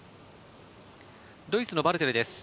ドイツのバルテルです。